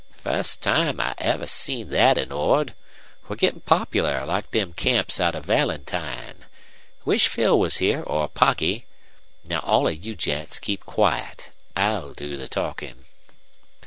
"Fust time I ever seen thet in Ord! We're gettin' popular like them camps out of Valentine. Wish Phil was here or Poggy. Now all you gents keep quiet. I'll do the talkin'."